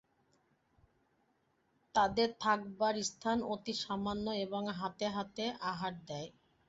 তাদের থাকবার স্থান অতি সামান্য এবং হাতে হাতে আহার দেয়।